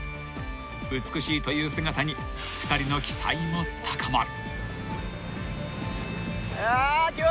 ［美しいという姿に２人の期待も高まる］